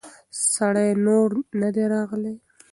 سړی نور نه دی راغلی.